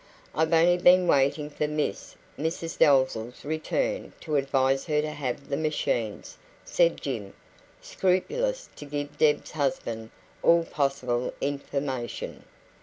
"I've only been waiting for Miss Mrs Dalzell's return to advise her to have the machines," said Jim, scrupulous to give Deb's husband all possible information.